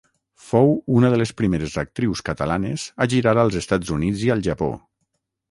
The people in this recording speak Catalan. Fou una de les primeres actrius catalanes a girar als Estats Units i al Japó.